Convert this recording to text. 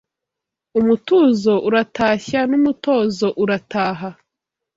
Umutuzo uratashya N’umutozo urataha